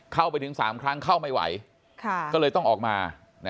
เข้าไปถึง๓ครั้งเข้าไม่ไหวก็เลยต้องออกมา